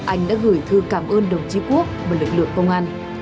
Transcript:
anh đã gửi thư cảm ơn đồng chí quốc và lực lượng công an